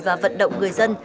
và vận động người dân